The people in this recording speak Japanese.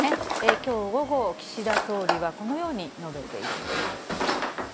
きょう午後、岸田総理はこのように述べているんです。